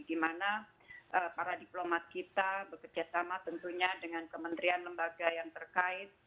di mana para diplomat kita bekerja sama tentunya dengan kementerian lembaga yang terkait